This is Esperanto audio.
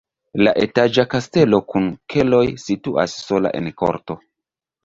La etaĝa kastelo kun keloj situas sola en korto.